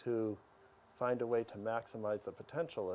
jika anda menggunakan kata kata yang